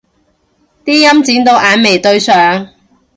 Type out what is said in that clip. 啲陰剪到眼眉對上